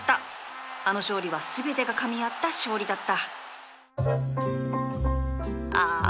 あの勝利は全てがかみ合った勝利だった